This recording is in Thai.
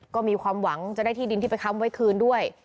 ก็มีความหวังจะได้ที่ดินที่ไปค้ำไว้คืนด้วย